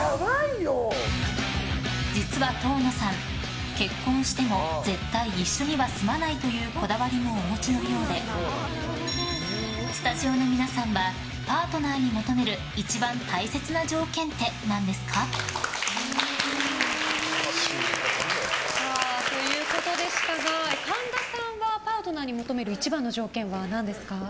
実は遠野さん結婚しても絶対一緒には住まないというこだわりもお持ちのようでスタジオの皆さんはパートナーに求める一番大切な条件って何ですか？ということでしたが神田さんがパートナーに求める一番の条件は何ですか？